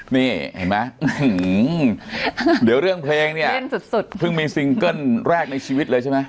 หือหือเดี๋ยวเรื่องเพลงเนี้ยเพิ่งมีซิงเกิ้ลแรกในชีวิตเลยใช่ไหม